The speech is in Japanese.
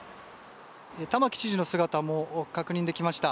玉城知事の姿も確認できました。